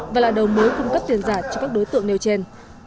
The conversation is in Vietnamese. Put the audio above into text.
và là đầu mối cung cấp tiền giả cho các đối tượng nêu trên